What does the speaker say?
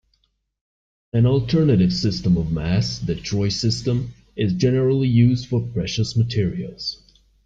An alternative system of mass, the troy system, is generally used for precious materials.